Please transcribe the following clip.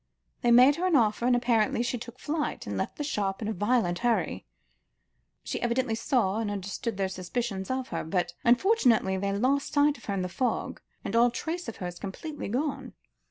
They made her an offer, and apparently she took flight, and left the shop in a violent hurry. She evidently saw and understood their suspicions of her, but unfortunately they lost sight of her in the fog, and all trace of her is completely gone."